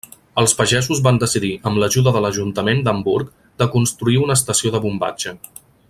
Els pagesos van decidir, amb l'ajuda de l'ajuntament d'Hamburg, de construir una estació de bombatge.